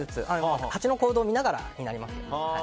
ハチの行動を見ながらになります。